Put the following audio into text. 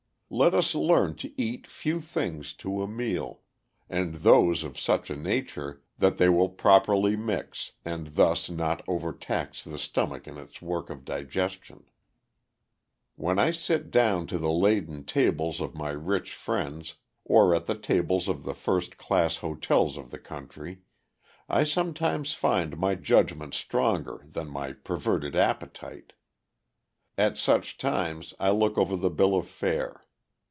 Let us learn to eat few things to a meal, and those of such a nature that they will properly mix, and thus not overtax the stomach in its work of digestion. When I sit down to the laden tables of my rich friends, or at the tables of the first class hotels of the country, I sometimes find my judgment stronger than my perverted appetite. At such times I look over the bill of fare.